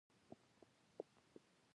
د نابغه ګانو او لېونیانو ترمنځ فاصله.